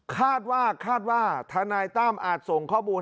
คาดว่าคาดว่าธนายตั้มอาจส่งข้อมูล